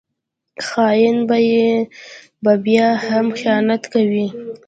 خاین به بیا هم خیانت کوي